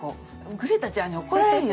「グレタちゃんに怒られるよ